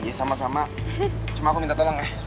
ya sama sama cuma aku minta tolong ya